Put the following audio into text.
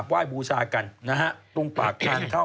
ปลาหมึกแท้เต่าทองอร่อยทั้งชนิดเส้นบดเต็มตัว